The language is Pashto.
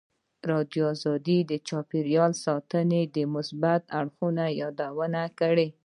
ازادي راډیو د چاپیریال ساتنه د مثبتو اړخونو یادونه کړې.